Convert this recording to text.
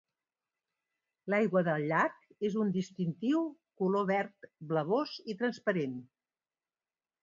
L'aigua del llac és d'un distintiu color verd blavós i transparent.